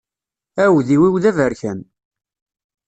Aɛudiw-iw d aberkan.